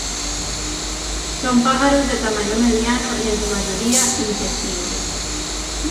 Son pájaros de tamaño mediano y en su mayoría insectívoros.